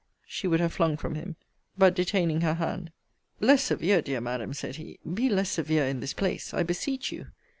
She would have flung from him. But, detaining her hand Less severe, dear Madam, said he, be less severe in this place, I beseech you.